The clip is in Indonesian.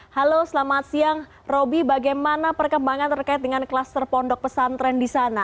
halo selamat siang roby bagaimana perkembangan terkait dengan kluster pondok pesantren di sana